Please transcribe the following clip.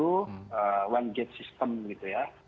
satu one gate system gitu ya